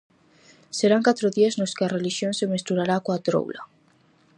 Serán catro días nos que a relixión se mesturará coa troula.